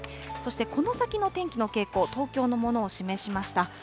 そしてこの先の天気の傾向、東京のものを示しました。